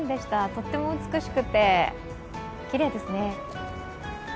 とっても美しくて、きれいですね。